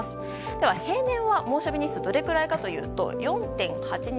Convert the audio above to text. では、平年は猛暑日日数どれくらいかというと４．８日。